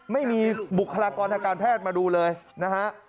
ไม่มีบุคลากรทางการแพทย์มาดูเลยนะฮะ